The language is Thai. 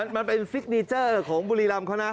มันเป็นฟิกเนเจอร์ของบุรีรำเขานะ